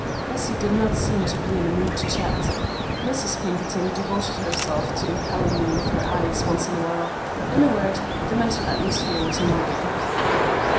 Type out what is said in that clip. Bessie did not seem to be in a mood to chat; Mrs. Pinkerton devoted herself to impaling me with her eyes once in a while; in a word, the mental atmosphere was muggy.